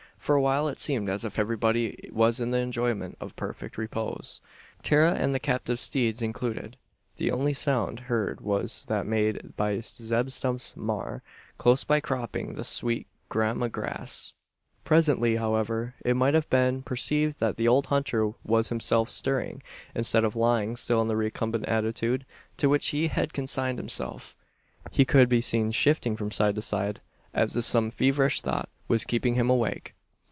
For a while it seemed as if everybody was in the enjoyment of perfect repose, Tara and the captive steeds included. The only sound heard was that made by Zeb Stump's "maar," close by cropping the sweet grama grass. Presently, however, it might have been perceived that the old hunter was himself stirring. Instead of lying still in the recumbent attitude to which he had consigned himself, he could be seen shifting from side to side, as if some feverish thought was keeping him awake.